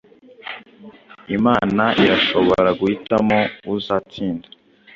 Imana irashobora guhitamo uzatsinda